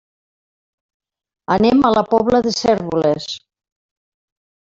Anem a la Pobla de Cérvoles.